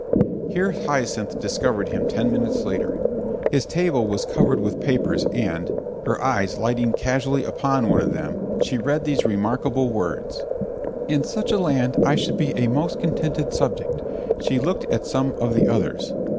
Here Hyacinth discovered him ten minutes later. His table was covered with scraps of paper and, her eyes lighting casually upon one of them, she read these remarkable words: "In such a land I should be a most contented subject." She looked at some of the others.